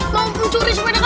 mau mencuri sepeda kamu